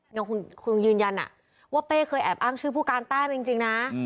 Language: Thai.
ยังคงยืนยันว่าเป้เคยแอบอ้างชื่อผู้การแต้มจริงนะ